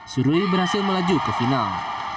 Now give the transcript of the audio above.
suryo berhasil melaju ke final